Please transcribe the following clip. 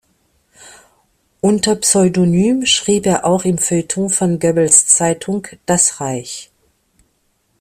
Unter Pseudonym schrieb er auch im Feuilleton von Goebbels Zeitung "Das Reich".